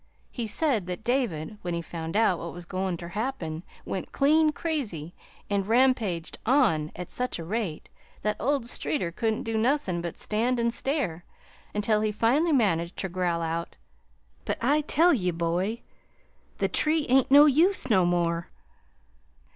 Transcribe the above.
He said that David, when he found out what was goin' ter happen, went clean crazy, an' rampaged on at such a rate that old Streeter couldn't do nothin' but stand an' stare, until he finally managed ter growl out: 'But I tell ye, boy, the tree ain't no use no more!'